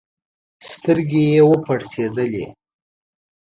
سترګي یې وپړسېدلې